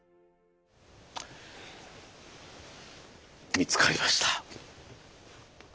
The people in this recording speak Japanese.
見つかりました。